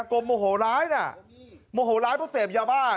โมโหร้ายน่ะโมโหร้ายเพราะเสพยาบ้า